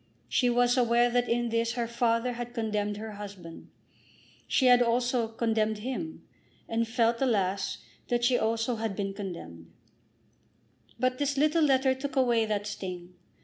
She was aware that in this her father had condemned her husband. She also had condemned him; and felt, alas, that she also had been condemned. But this little letter took away that sting.